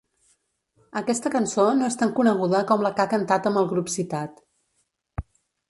Aquesta cançó no és tan coneguda com la que ha cantat amb el grup citat.